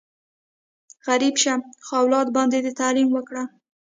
غریب شه، خو اولاد باندې دې تعلیم وکړه!